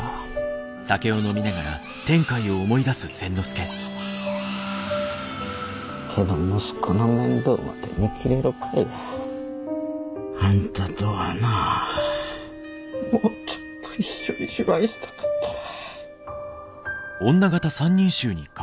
けど息子の面倒まで見きれるかいな。あんたとはなもうちょっと一緒に芝居したかったわ。